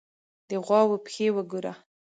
_د غواوو پښې وګوره!